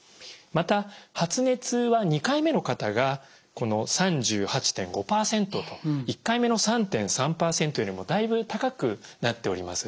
また発熱は２回目の方が３８．５％と１回目の３．３％よりもだいぶ高くなっております。